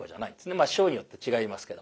師匠によって違いますけども。